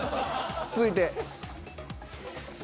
続いて。